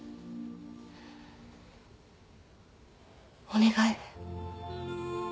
お願い